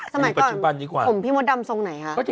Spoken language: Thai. สมัยก่อนผมพี่มดดำทรงไหนค่ะยังมีปัจจุบันนี่กว่า